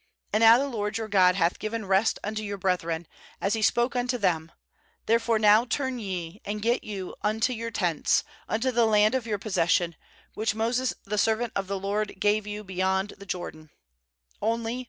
4And now the LORD your God hath given rest unto your brethren, as He spoke unto them; therefore now turn ye, and get you unto your tents, unto the land of your possession, which Moses the servant of the LORD gave you beyond the Jordan, ^nly.